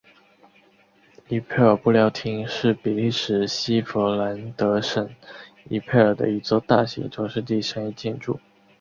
伊佩尔布料厅是比利时西佛兰德省伊佩尔的一座大型中世纪商业建筑。